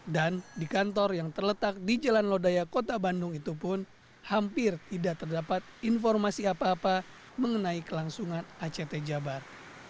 dan di kantor yang terletak di jalan lodaya kota bandung itu pun hampir tidak terdapat informasi apa apa mengenai kelangsungan act jabar